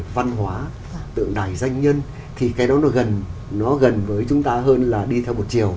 vấn đề văn hóa tượng đài danh nhân thì cái đó nó gần với chúng ta hơn là đi theo một chiều